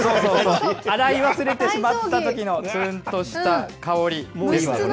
洗い忘れてしまったときのつーんとした香り。